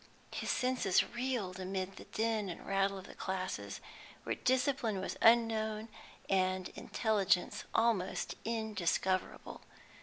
His senses reeled amid the din and rattle of classes where discipline was unknown and intelligence almost indiscoverable.